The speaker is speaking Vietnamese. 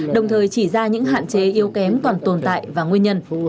đồng thời chỉ ra những hạn chế yếu kém còn tồn tại và nguyên nhân